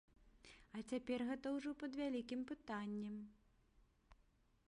А цяпер гэта ўжо пад вялікім пытаннем.